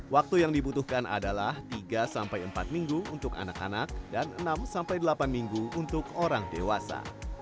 waktu yang dibutuhkan adalah tiga sampai empat minggu untuk anak anak dan enam sampai delapan minggu untuk orang dewasa